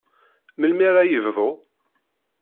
Melmi ara yebdu?